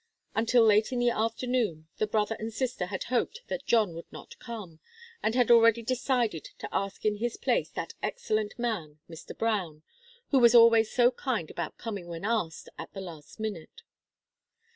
Until late in the afternoon the brother and sister had hoped that John would not come, and had already decided to ask in his place that excellent man, Mr. Brown, who was always so kind about coming when asked at the last minute.